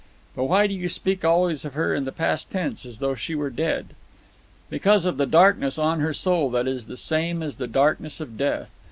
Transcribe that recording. "But why do you speak always of her in the past tense, as though she were dead?" "Because of the darkness on her soul that is the same as the darkness of death.